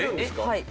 はい。